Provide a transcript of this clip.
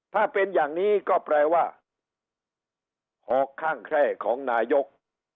ถ้าเป็นอย่างนี้ก็แปลว่าหอกข้างแคร่ของนายก